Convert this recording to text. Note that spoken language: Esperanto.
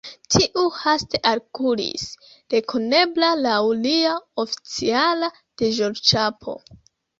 Tiu haste alkuris, rekonebla laŭ lia oficiala deĵorĉapo.